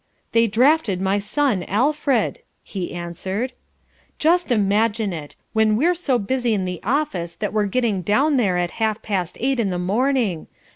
"They drafted my son Alfred," he answered. "Just imagine it! When we're so busy in the office that we're getting down there at half past eight in the morning!